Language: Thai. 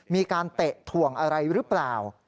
มีการเตะทวงอะไรหรือเปล่า